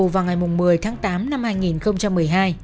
vào ngày một mươi tháng tám năm hai nghìn một mươi hai